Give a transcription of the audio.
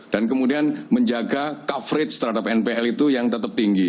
dan kemudian menjaga coverage terhadap npl itu yang tetap tinggi